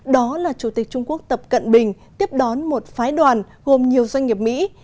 đó là chủ tịch trung quốc tập cận bình tiếp đón một phái đoàn gồm nhiều doanh nghiệp mỹ